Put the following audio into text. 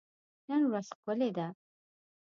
نن ورځ ښکلي ده.